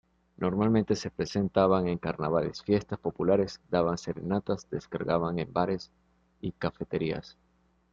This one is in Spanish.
Normalmente se presentaban en carnavales, fiestas populares, daban serenatas, descargaban en bares y cafeterías.